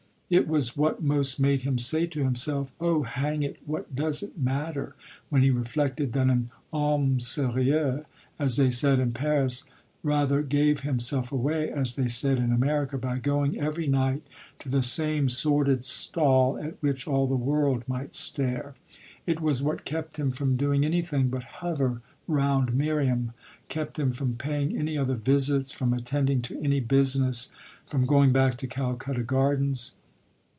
It was what most made him say to himself "Oh hang it, what does it matter?" when he reflected that an homme sérieux, as they said in Paris, rather gave himself away, as they said in America, by going every night to the same sordid stall at which all the world might stare. It was what kept him from doing anything but hover round Miriam kept him from paying any other visits, from attending to any business, from going back to Calcutta Gardens.